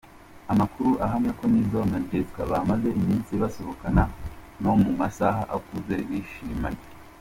Amakuru ahamya ko Nizzo na Jessica bamaze iminsi basohokana no mu masaha akuze bishimanye.